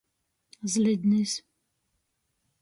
Zlidnis.